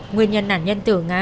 nguyên nhân nạn nhân tử ngã